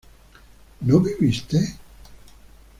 ¿no viviste?